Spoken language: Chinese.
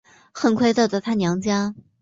很快到达她娘家